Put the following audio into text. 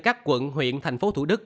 các quận huyện thành phố thủ đức